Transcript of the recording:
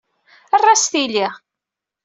Err-as tili.